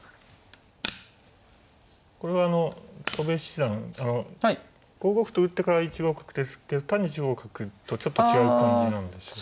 これは戸辺七段５五歩と打ってから１五角ってしたけど単に１五角とちょっと違う感じなんでしょうか。